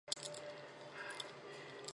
饭山站铁路车站。